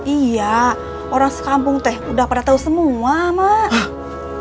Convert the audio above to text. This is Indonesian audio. iya orang sekampung teh udah pada tahu semua mak